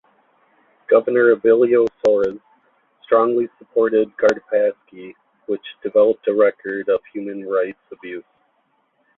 Governor Abilio Soares strongly supported Gardapaksi, which developed a record of human rights abuse.